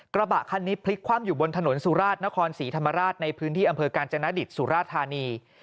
กระบะคันนี้พลิกคว่ำอยู่บนถนนสุราชนครศรีธรรมราชในพื้นที่อำเภอกาญจนดิตสุราธานี